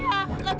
lihat gue ke atas